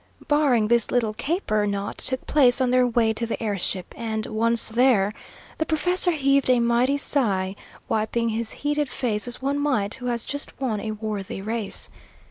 Barring this little caper, naught took place on their way to the air ship; and once there, the professor heaved a mighty sigh, wiping his heated face as one might who has just won a worthy race.